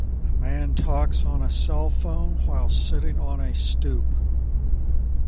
A man talks on a cellphone while sitting on a stoop.